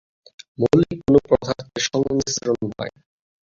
মৌলিক কোন পদার্থের সংমিশ্রণ নয়।